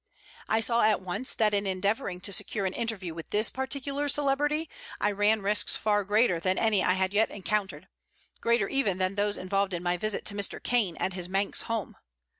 I saw at once that in endeavoring to secure an interview with this particular celebrity I ran risks far greater than any I had yet encountered greater even than those involved in my visit to Mr. Caine at his Manx home.